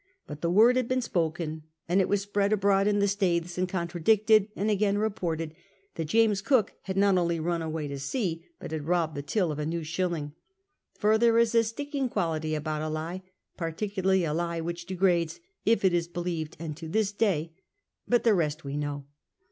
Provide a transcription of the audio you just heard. But the word had been sjDoken, and it was S2>read abroad in the Staithes, and contradicted, and again reported, that James Cook had not only run away to sea but had robbed the till of a new shilling. For there is a sticking quality about a lie, j^articularly a lie which degrades, if it is believed; and to this day ... but the rest we know.